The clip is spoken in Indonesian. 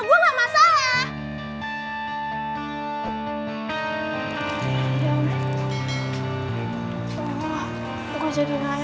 gue gak masalah